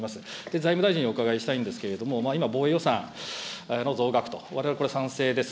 財務大臣にお伺いしたいんですけれども、今、防衛予算の増額と、われわれこれ賛成です。